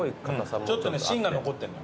ちょっとね芯が残ってんの。